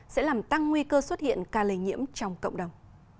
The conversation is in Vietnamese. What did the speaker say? sẽ làm tăng nguy cơ xuất hiện ca lây nhiễm trong cộng đồng